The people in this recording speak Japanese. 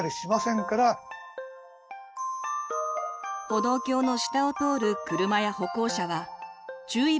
歩道橋の下を通る車や歩行者は注意